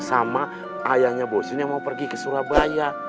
sama ayahnya bosun yang mau pergi ke surabaya